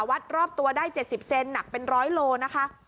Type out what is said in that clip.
วัดรอบตัวได้เจ็ดสิบเซนหนักเป็นร้อยโลนะคะ